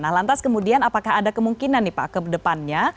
nah lantas kemudian apakah ada kemungkinan nih pak ke depannya